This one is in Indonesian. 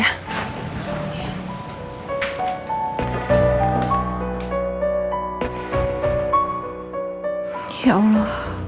kapan hidup kamu jadi lebih baik sa